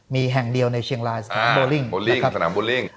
มีแห่งเดียวในเชียงรายสถานโบลิ่ง